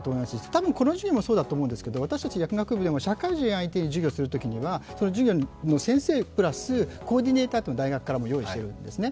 多分このときもそうだと思うんですけど、社会人相手に授業をするときには、授業の先生プラスコーディネーターを大学からも用意するんですね。